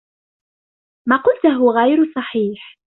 ما قلته غير صحيح.